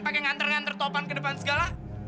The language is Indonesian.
pakai ngantar ngantar sopan ke depan segala